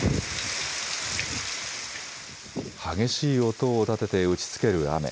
激しい音を立てて打ちつける雨。